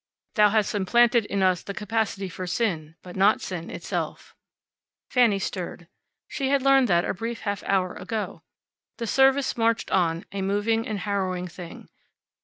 "Thou hast implanted in us the capacity for sin, but not sin itself!" Fanny stirred. She had learned that a brief half hour ago. The service marched on, a moving and harrowing thing.